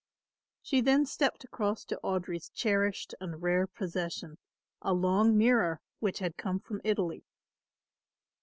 She then stepped across to Audry's cherished and rare possession, a long mirror which had come from Italy.